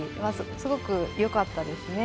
すごくよかったですね。